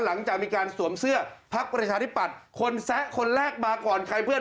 หลังจะสวมเสื้อพักประชาทิปัตคนแซะคนแรกมาก่อน